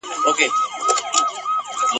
چي نه شوروي د پاولیو نه شرنګی د غاړګیو !.